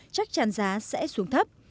chắc tràn giá sẽ xuống thấp